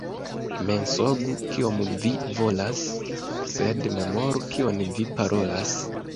Mensogu kiom vi volas, sed memoru kion vi parolas.